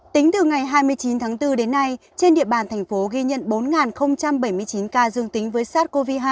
tính từ ngày hai mươi chín tháng bốn đến nay trên địa bàn thành phố ghi nhận bốn bảy mươi chín ca dương tính với sars cov hai